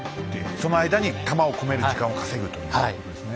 その間に弾を込める時間を稼ぐということですね。